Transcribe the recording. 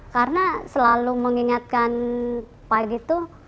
karena selalu mengingatkan pagi tuh